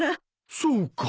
そうか。